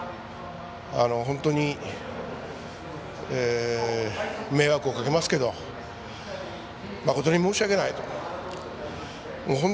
本当に迷惑をかけますけど誠にも申し訳ないと。